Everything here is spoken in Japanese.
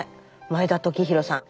前田時博さん。